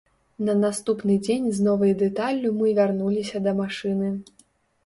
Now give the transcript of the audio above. На наступны дзень з новай дэталлю мы вярнуліся да машыны.